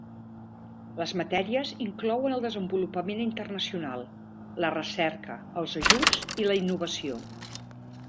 Les matèries inclouen el desenvolupament internacional, la recerca, els ajuts i la innovació.